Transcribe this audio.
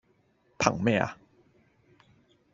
憑咩呀?